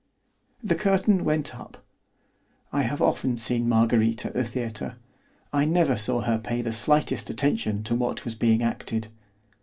The curtain went up. I have often seen Marguerite at the theatre. I never saw her pay the slightest attention to what was being acted.